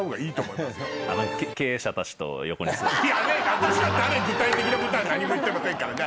私は具体的なことは何も言ってませんからね。